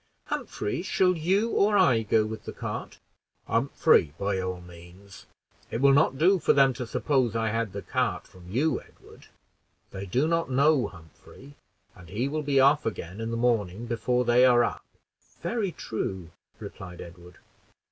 Humphrey, shall you or I go with the cart?" "Humphrey, by all means; it will not do for them to suppose I had the cart from you, Edward; they do not know Humphrey, and he will be off again in the morning before they are up." "Very true," replied Edward.